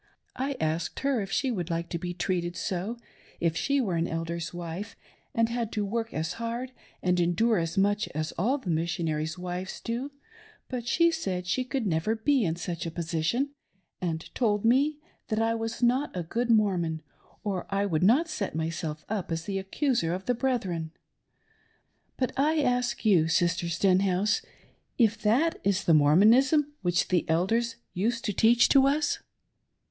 I asked her if she would like to be treated so, if she were an Elder's wife, and had to work as hard and endure as much as all the Missionaries' wives do; but she said she never could be in such a portion, and told me that I was not a good Mormon or I would not set myself up as the accuser of the brethren. But I ask you, Sister Stenhouse, if that is the Mormonism which the elders used to teach us